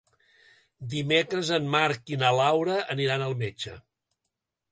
Dimecres en Marc i na Laura aniran al metge.